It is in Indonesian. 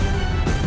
aku mau ke rumah